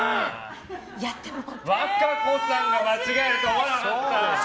和歌子さんが間違えると思わなかった。